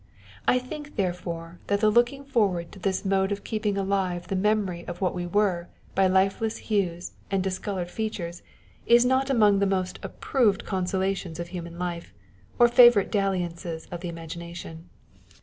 I think therefore that the looking forward to this mode of keeping alive the memory of what we were by lifeless hues and discoloured 1GO Genius and its Powers? features, is not among the most approved consolations of human life, or favourite dalliances of the imagination.